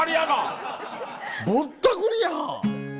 ぼったくりやん！